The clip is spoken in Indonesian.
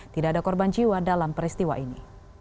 tidak ada korban jiwa dalam peristiwa ini